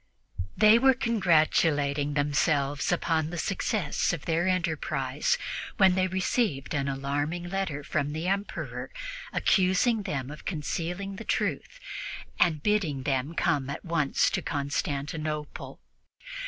They were congratulating themselves on the success of their enterprise when they received an alarming letter from the Emperor accusing them of concealing the truth and bidding them come at once to Constantinople.